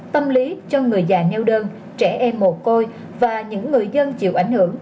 tâm lý cho người già neo đơn trẻ em mồ côi và những người dân chịu ảnh hưởng